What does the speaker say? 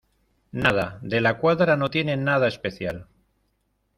nada, De la Cuadra no tiene nada especial.